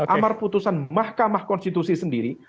amar putusan mahkamah konstitusi sendiri